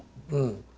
うん。